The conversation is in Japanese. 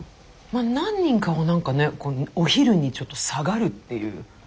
何人かはなんかねお昼にちょっと下がるっていう。